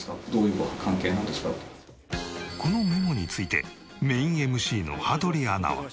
このメモについてメインＭＣの羽鳥アナは。